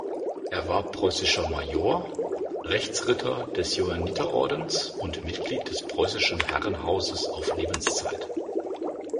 Er war preußischer Major, Rechtsritter des Johanniterordens und Mitglied des Preußischen Herrenhauses auf Lebenszeit.